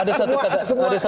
ada satu kata kunci